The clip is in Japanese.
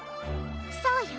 そうよ。